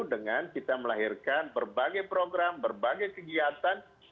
dengan kita melahirkan berbagai program berbagai kegiatan